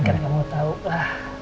karena kamu tau lah